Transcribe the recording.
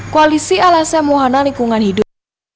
koalisi alasem mohanan lingkungan hidup